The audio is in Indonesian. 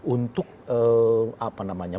untuk apa namanya